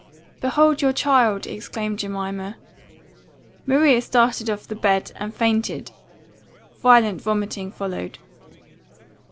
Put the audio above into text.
"'Behold your child!' exclaimed Jemima. Maria started off the bed, and fainted. Violent vomiting followed.